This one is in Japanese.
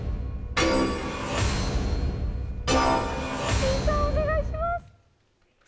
藤井さん、お願いします。